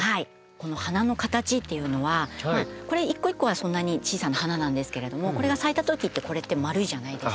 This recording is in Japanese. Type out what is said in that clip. この花の形っていうのはこれ一個一個はそんなに小さな花なんですけれどもこれが咲いたときってこれってまるいじゃないですか。